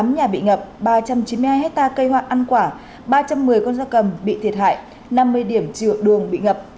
tám trăm năm mươi tám nhà bị ngập ba trăm chín mươi hai hectare cây hoa ăn quả ba trăm một mươi con da cầm bị thiệt hại năm mươi điểm chiều đường bị ngập